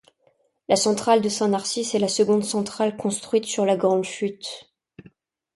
La centrale de Saint-Narcisse est la seconde centrale construite sur La Grande Chute.